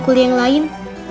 kuliah yang lain